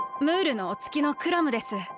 ムールのおつきのクラムです。